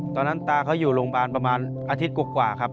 ตอนนั้นตาเขาอยู่โรงพยาบาลประมาณอาทิตย์กว่าครับ